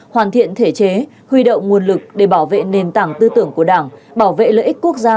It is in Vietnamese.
hoàn thiện thể chế huy động nguồn lực để bảo vệ nền tảng tư tưởng của đảng bảo vệ lợi ích quốc gia